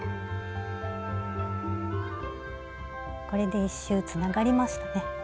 これで１周つながりましたね。